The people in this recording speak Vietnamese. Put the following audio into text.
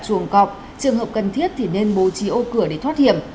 trường hợp cần thiết thì nên bố trí ô cửa để thoát hiểm